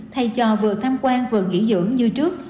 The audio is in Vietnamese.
thay cho vừa tham quan vườn nghỉ dưỡng như trước